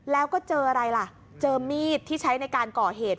แล้วก็เจออะไรล่ะเจอมีดที่ใช้ในการก่อเหตุ